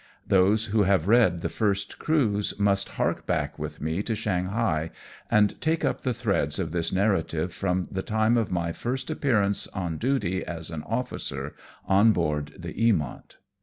Those who have read the first cruise must hark back with me to Shanghai, and take up the threads of this narrative from the time of my first appearance on duty as an oflicer on board the Eamont.